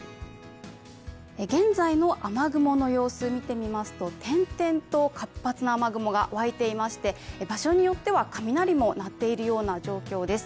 現在の雨雲の様子見てみますと、点々と活発な雨雲が湧いていまして場所によっては雷も鳴っているような状況です。